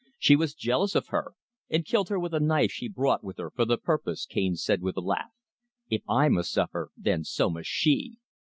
She was jealous of her and killed her with a knife she brought with her for the purpose," Cane said with a laugh. "If I must suffer then so must she!